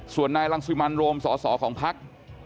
ส่วนนายรังสิมันโรมสสของพัก